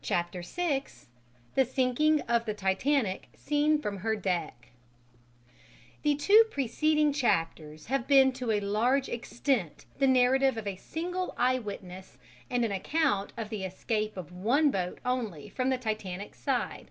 CHAPTER VI THE SINKING OF THE TITANIC SEEN FROM HER DECK The two preceding chapters have been to a large extent the narrative of a single eyewitness and an account of the escape of one boat only from the Titanic's side.